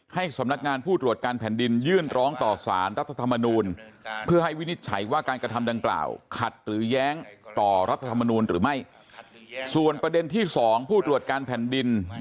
ให้สำนักงานผู้ตรวจการแผ่นดินยื่นร้องต่อสารรัฐธรรมนูญ